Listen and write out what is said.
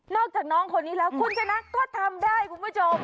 จากน้องคนนี้แล้วคุณชนะก็ทำได้คุณผู้ชม